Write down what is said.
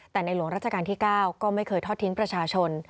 แต่ในหลวงราชการที่๙ก็ไม่เคยทอดทิ้งประชาชน